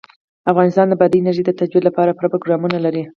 افغانستان د بادي انرژي د ترویج لپاره پوره پروګرامونه لري.